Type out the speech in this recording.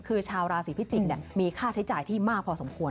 คือชาวราศีพิจิกษ์มีค่าใช้จ่ายที่มากพอสมควร